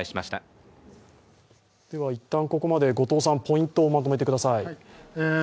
いったんここまでポイントをまとめてください。